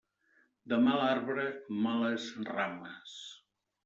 De mal arbre, males rames.